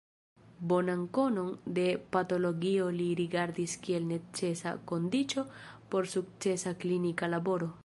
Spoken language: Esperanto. Bonan konon de patologio li rigardis kiel necesa kondiĉo por sukcesa klinika laboro.